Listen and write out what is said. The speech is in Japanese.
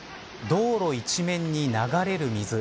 道路一面に流れる水。